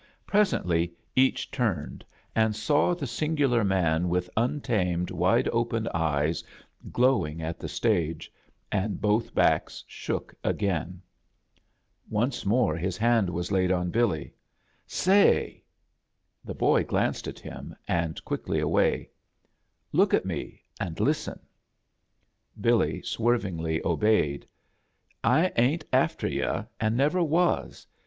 Presently #=^ A JOURNEY IN SEARCH OF CHRISTMAS each turned, and saw the singular man with untamed, wide open eyes gloiring at the stage, and both backs shook again. Once more his hand was laid on Billy. >x"Sayr The boy glanced at him, and qtfickly away. "Look at me, and listen." Billy swervingly obeyed. ., "I ain't after yu', and never was.